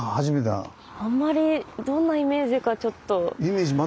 あんまりどんなイメージかちょっと。